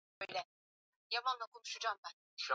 Maana kamilifu